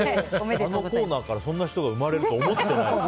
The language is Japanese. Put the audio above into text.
あのコーナーからそんな人が生まれるとは思ってないから。